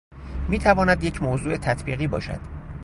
میتواند یک موضوع تطبیقی باشد